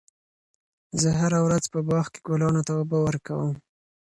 زه هره ورځ په باغ کې ګلانو ته اوبه ورکوم.